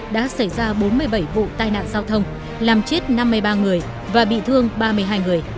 đã xảy ra bốn mươi bảy vụ tai nạn giao thông làm chết năm mươi ba người và bị thương ba mươi hai người